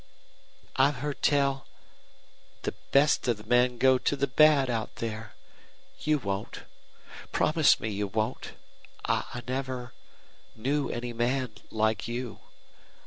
"I've heard tell the best of men go to the bad out there. You won't. Promise me you won't. I never knew any man like you.